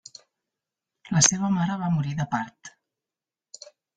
La seva mare va morir de part.